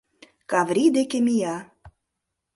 Каврий деке мия: